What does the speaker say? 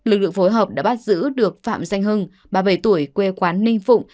lực lượng phối hợp đã bắt giữ được phạm danh hưng ba mươi bảy tuổi quê quán ninh phụng